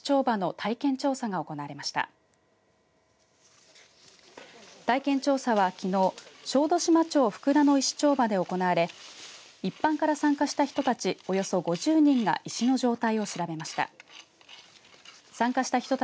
体験調査はきのう小豆島小福田の石丁場で行われ一般から参加した人たちおよそ５０人が石の状態を調べました。